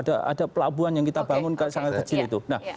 ada pelabuhan yang kita bangun sangat kecil itu